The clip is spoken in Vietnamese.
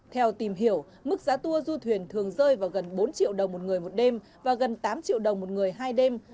theo tìm hiểu mức giá tour du thuyền thường rơi vào gần bốn triệu đồng một người một đêm và gần tám triệu đồng một người hai đêm